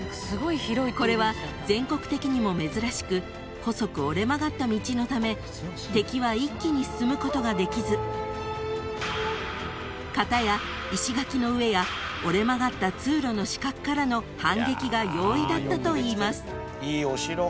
［これは全国的にも珍しく細く折れ曲がった道のため敵は一気に進むことができずかたや石垣の上や折れ曲がった通路の死角からの反撃が容易だったといいます］